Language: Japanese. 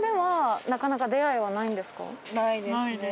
ないですね。